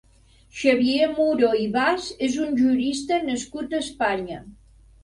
Xavier Muro i Bas és un jurista nascut a Espanya.